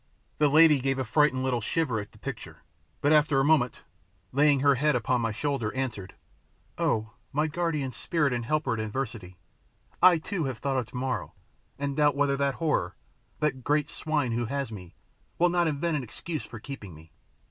The lady gave a frightened little shiver at the picture, but after a moment, laying her head upon my shoulder, answered, "Oh, my guardian spirit and helper in adversity, I too have thought of tomorrow, and doubt whether that horror, that great swine who has me, will not invent an excuse for keeping me.